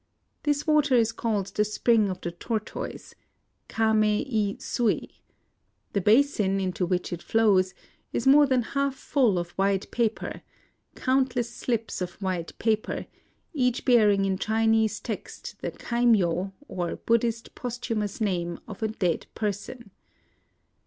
This water is called the Spring of the Tortoise, — Kame i Sui. The basin into which it flows is more than half 160 IN OSAKA full of white paper, — countless slips of white paper, each bearing in Chinese text the kaimyo, or Buddhist posthumous name of a dead person.